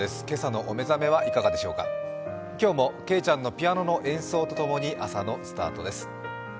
今日もけいちゃんのピアノの演奏とともに朝のスタートです。